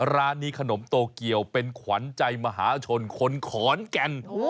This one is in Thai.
ร้านนี้ขนมโตเกียวเป็นขวัญใจมหาชนคนขอนแก่น